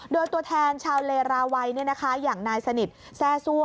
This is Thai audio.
โดยตัวแทนชาวเลราวัยอย่างนายสนิทแซ่ซั่ว